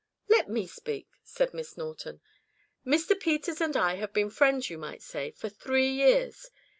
"Let me speak," said Miss Norton. "Mr. Peters and I have been friends, you might say, for three years.